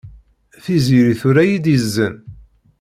Tiziri tura-iyi-d izen.